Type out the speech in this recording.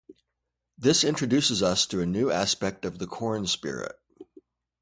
This introduces us to a new aspect of the corn spirit.